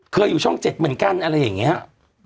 อยู่ช่อง๗เหมือนกันอะไรอย่างนี้